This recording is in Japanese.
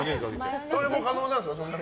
それも可能なんですか？